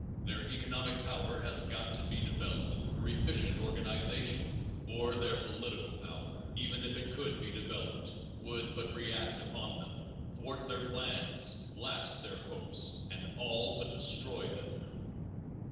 Their economic power has got to be developed through efficient organization, or their political power, even if it could be developed, would but react upon them, thwart their plans, blast their hopes, and all but destroy them.